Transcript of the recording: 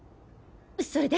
それで？